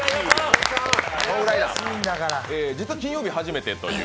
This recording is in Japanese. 実は金曜日、初めてという。